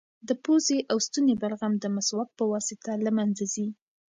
د پوزې او ستوني بلغم د مسواک په واسطه له منځه ځي.